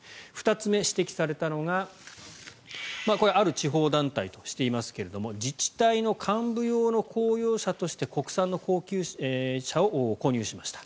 ２つ目、指摘されたのがこれはある地方団体としていますが自治体の幹部用の公用車として国産の高級車を購入しました。